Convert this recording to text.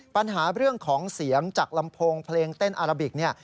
ปัญหาเรื่องของเสียงจากลำโพงเพลงเต้นอาราบิกเนี่ย